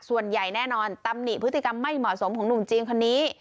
ส่วนใหญ่แน่นอนตำหนิพฤติกรรมไม่เหมาะสมของหนุ่มจีนคนนี้